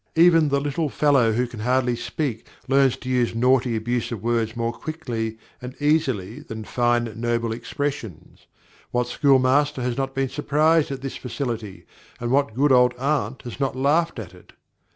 Even the little fellow who can hardly speak learns to use naughty, abusive words more quickly and easily than fine, noble expressions. What school master has not been surprised at this facility, and what good old aunt has not laughed at it?